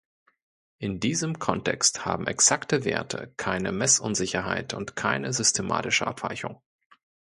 In diesem Kontext haben exakte Werte keine Messunsicherheit und keine systematische Abweichung.